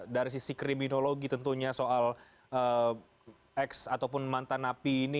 dari sisi kriminologi tentunya soal ex ataupun mantan napi ini